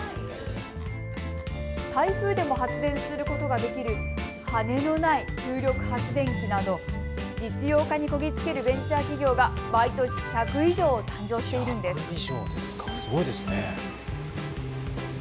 台風でも発電することができる羽のない風力発電機など実用化にこぎ着けるベンチャー企業が毎年１００以上誕生しているんです。